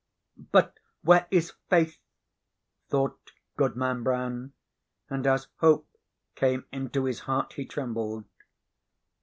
"But where is Faith?" thought Goodman Brown; and, as hope came into his heart, he trembled.